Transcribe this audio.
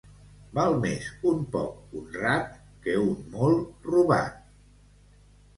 Val més un poc honrat que un molt robat.